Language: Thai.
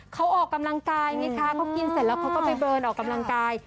เขาออกกำลังกายไงคะเขากินเสร็จแล้วเขาก็ไปเบิร์นออกกำลังกาย